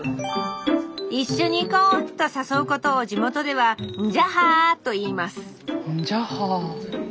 「一緒に行こう」と誘うことを地元では「んじゃは」と言います「んじゃは」。